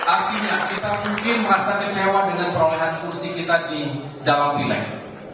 artinya kita mungkin merasa kecewa dengan perolehan kursi kita di dalam pileg